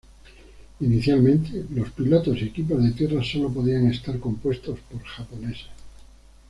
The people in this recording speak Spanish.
Inicialmente los pilotos y equipos de tierra solo podían estar compuestos por japoneses.